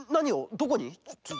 どこに？